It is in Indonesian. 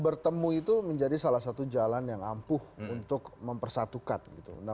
bertemu itu menjadi salah satu jalan yang ampuh untuk mempersatukan